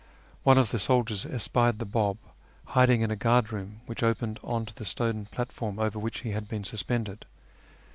One of the soldiers espied the B;ib hiding in a guardroom which opened on to the stone platform over which he had been suspended.